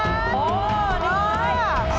อ๋อดีกว่า